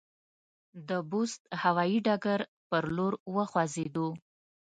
د بُست هوایي ډګر پر لور وخوځېدو.